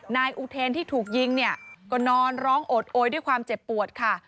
นายอุเทนที่ถูกยิงเนี่ยก็นอนร้องโอดโอยด้วยความเจ็บปวดค่ะ